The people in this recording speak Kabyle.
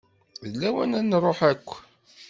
D lawan ad nruḥ akk.